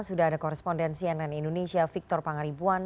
sudah ada korespondensi ann indonesia victor pangaribuan